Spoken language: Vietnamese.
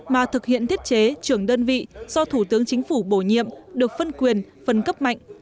mà thực hiện thiết chế trưởng đơn vị do thủ tướng chính phủ bổ nhiệm được phân quyền phân cấp mạnh